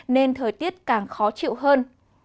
nên thời tiết càng khó chịu hơn